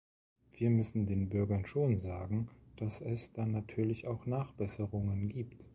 Wir müssen den Bürgern schon sagen, dass es da natürlich auch Nachbesserungen gibt.